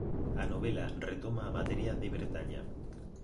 A novela retoma a materia de Bretaña.